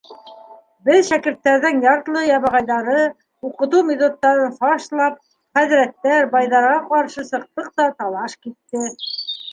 Беҙ, шәкерттәрҙең ярлы-ябағайҙары, уҡытыу методтарын фашлап, хәҙрәттәр, байҙарға ҡаршы сыҡтыҡ та талаш китте.